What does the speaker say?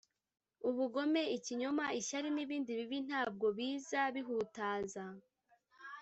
ubugome, ikinyoma, ishyari, n’ibindi bibi ntabwo biza bihutaza